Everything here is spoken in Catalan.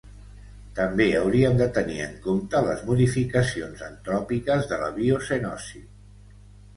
També hauríem de tenir en compte les modificacions antròpiques de la biocenosi.